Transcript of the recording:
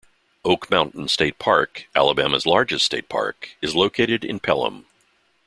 Oak Mountain State Park, Alabama's largest state park, is located in Pelham.